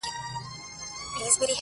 په دامونو کي مرغان چي بندېدله -